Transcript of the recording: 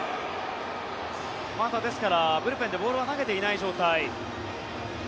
ですから、ブルペンではまだボールは投げていない状態。